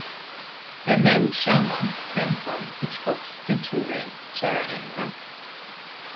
The name "Sharma" came from Hitchcock's two children, Sharon and Mark.